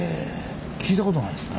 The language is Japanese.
聞いた事ないですね。